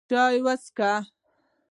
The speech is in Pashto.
چای وڅښه!